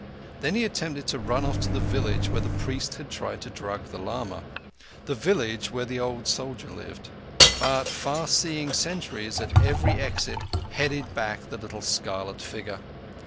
Then he attempted running off to the village where the priest had tried to drug the lama—the village where the old soldier lived. But far seeing sentries at every exit headed back the little scarlet figure.